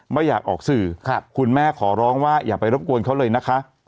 ไม่อยากออกสื่อคุณแม่ขอร้องว่าอย่าไปรบกวนเขาเลยนะคะ